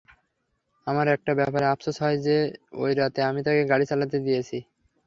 আমার একটা ব্যাপারে আফসোস হয় যে ওই রাতে আমি তাকে গাড়ি চালাতে দিয়েছি।